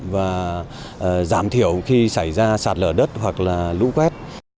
và giảm thiểu khi xảy ra sạt lở đất hoặc là lũ quét